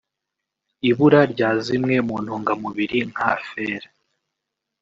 ibura rya zimwe mu ntungamubiri (nka fer